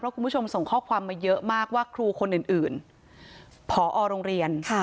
คุณผู้ชมส่งข้อความมาเยอะมากว่าครูคนอื่นผอโรงเรียน